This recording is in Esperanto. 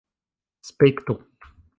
spektu